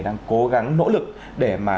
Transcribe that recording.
đang cố gắng nỗ lực để mà